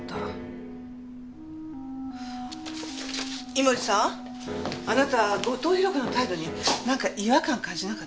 井森さんあなた後藤宏子の態度になんか違和感感じなかった？